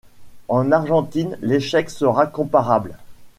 En Argentine, l'échec sera comparable.